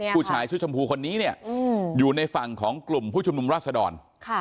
ผู้ชายชุดชมพูคนนี้เนี่ยอยู่ในฝั่งของกลุ่มผู้ชุมนุมราชดร